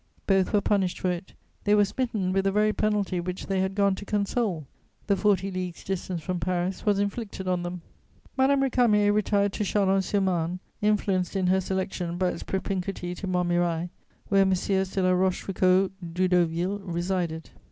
Both were punished for it; they were smitten with the very penalty which they had gone to console: the forty leagues' distance from Paris was inflicted on them. Madame Récamier retired to Châlons sur Marne influenced in her selection by its propinquity to Montmirail, where Messieurs de La Rochefoucauld Doudeauville resided.